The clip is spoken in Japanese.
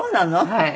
はい。